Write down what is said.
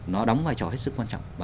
nó đóng vai trò hết sức quan trọng